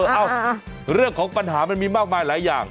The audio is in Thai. เอ้าเรื่องของปัญหามันมีมากมายหลายอย่าง